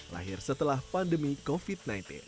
lahir setelah pandemi covid sembilan belas